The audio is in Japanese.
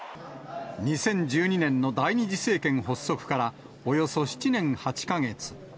２０１２年の第２次政権発足からおよそ７年８か月。